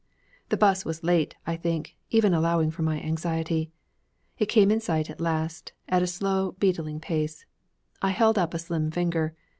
The 'bus was late, I think, even allowing for my anxiety. It came in sight at last, at a slow beetling pace. I held up a slim finger.